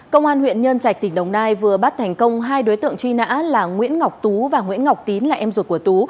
công an huyện nhân trạch tỉnh đồng nai vừa bắt thành công hai đối tượng truy nã là nguyễn ngọc tú và nguyễn ngọc tín là em ruột của tú